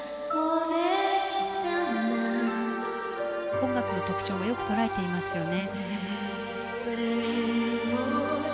音楽の特徴をよく捉えていますよね。